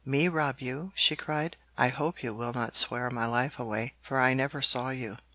'Me rob you?' she cried. 'I hope you will not swear my life away, for I never saw you.